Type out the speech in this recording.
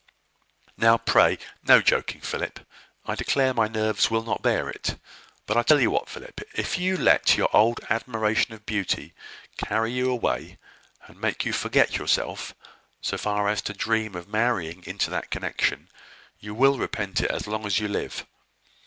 "Now, pray, no joking, Philip. I declare my nerves will not bear it. But I tell you what, Philip: if you let your old admiration of beauty carry you away, and make you forget yourself so far as to dream of marrying into that connection, you will repent it as long as you live.